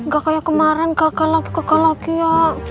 gak kayak kemarin gagal lagi gagal lagi ya